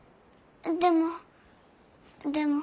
でもでも。